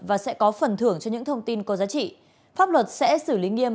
và sẽ có phần thưởng cho những thông tin có giá trị pháp luật sẽ xử lý nghiêm